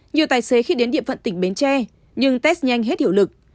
nhiều tài xế khi đến địa phận tỉnh bến tre nhưng test nhanh hết hiệu lực